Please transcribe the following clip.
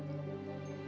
aku mau makan